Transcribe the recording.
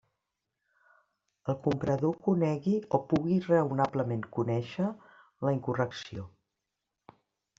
El comprador conegui o pugui raonablement conèixer la incorrecció.